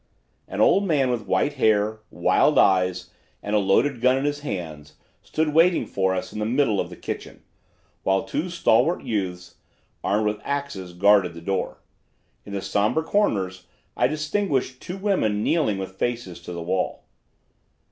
"An old man with white hair, wild eyes, and a loaded gun in his hands, stood waiting for us in the middle of the kitchen, while two stalwart youths, armed with axes, guarded the door. In the somber corners I distinguished two women kneeling with faces to the wall.